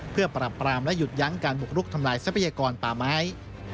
เพื่อปรับปรามและหยุดยั้งการบุกรุกทำลายทรัพยากรป่าไม้